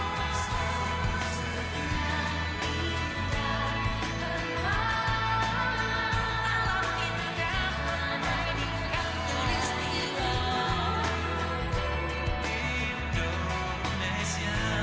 mewakili panglima angkatan bersenjata singapura